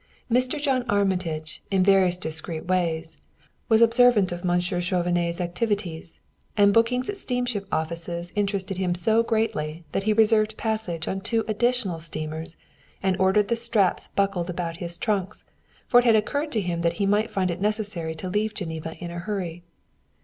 Mr. John Armitage in various discreet ways was observant of Monsieur Chauvenet's activities, and bookings at steamship offices interested him so greatly that he reserved passage on two additional steamers and ordered the straps buckled about his trunks, for it had occurred to him that he might find it necessary to leave Geneva in a hurry.